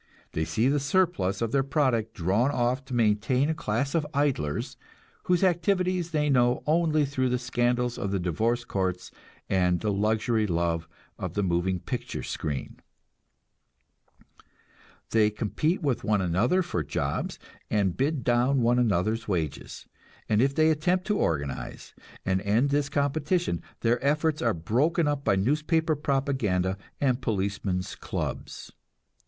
They see the surplus of their product drawn off to maintain a class of idlers, whose activities they know only through the scandals of the divorce courts and the luxury love of the moving picture screen. They compete with one another for jobs, and bid down one another's wages; and if they attempt to organize and end this competition, their efforts are broken by newspaper propaganda and policemen's clubs.